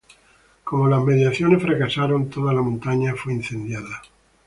Como las mediaciones fracasaron, toda la montaña fue incendiada.